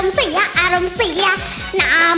โมโฮโมโฮโมโฮ